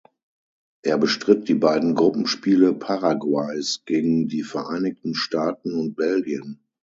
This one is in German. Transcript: Er bestritt die beiden Gruppenspiele Paraguays gegen die Vereinigten Staaten und Belgien.